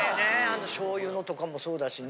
あの醤油のとかもそうだしね。